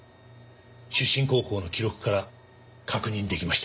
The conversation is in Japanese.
出身高校の記録から確認出来ました。